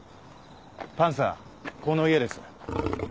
パンサーこの家です。